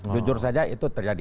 jujur saja itu terjadi